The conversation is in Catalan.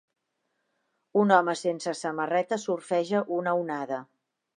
Un home sense samarreta surfeja una onada.